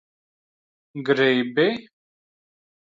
Gribi?